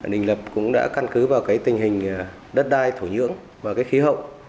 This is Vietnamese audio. ninh lập cũng đã căn cứ vào cái tình hình đất đai thổ nhướng và cái khí hậu